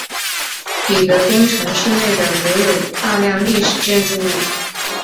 彼得宫城市内的留有大量历史建筑物。